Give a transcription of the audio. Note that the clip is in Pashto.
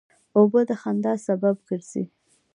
اوبه د خندا سبب ګرځي.